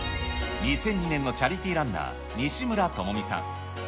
２００２年のチャリティーランナー、西村知美さん。